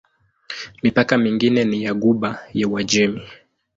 Mipaka mingine ni ya Ghuba ya Uajemi.